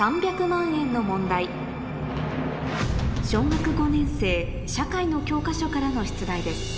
小学５年生社会の教科書からの出題です